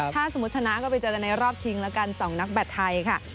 ถ้าสมมุติชนะก็ไปเจอกันในรอบชิงแล้วกัน๒นักแบตไทยค่ะ